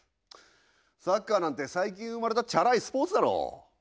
サッカーなんて最近生まれたチャラいスポーツだろう。